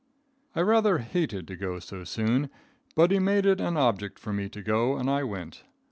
] I rather hated to go so soon, but he made it an object for me to go, and I went.